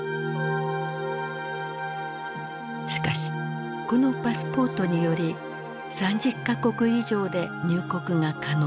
しかしこのパスポートにより３０か国以上で入国が可能となる。